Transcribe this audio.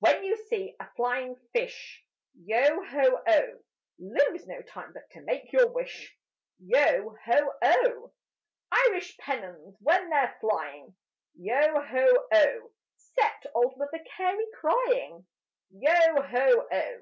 When you see a flying fish, Yo ho oh! Lose no time but make your wish: Yo ho oh! Irish pennons when they're flying, Yo ho oh! Set old Mother Carey crying: Yo ho oh!